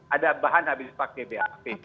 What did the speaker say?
ada bahan habis dipakai